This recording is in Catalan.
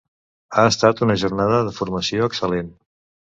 Ha estat una jornada de formació excel·lent!